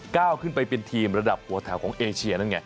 ก้าวขึ้นไปเป็นทีมระดับหัวแถวของเอเชียนั่นไง